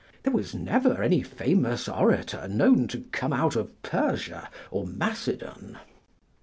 There was never any famous orator known to come out of Persia or Macedon.